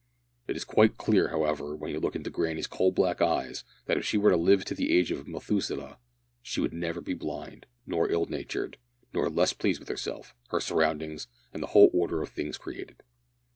It is quite clear, however, when you look into granny's coal black eyes, that if she were to live to the age of Methuselah she will never be blind, nor ill natured, nor less pleased with herself, her surroundings, and the whole order of things created!